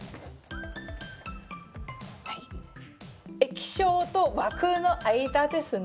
液晶と枠の間ですね。